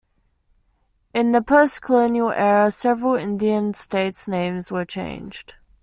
In the post-colonial era, several Indian states' names were changed.